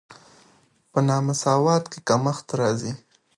په نامساواتوب کې کمښت راځي.